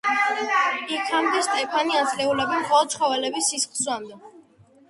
იქამდე სტეფანი ათწლეულები მხოლოდ ცხოველების სისხლს სვამდა.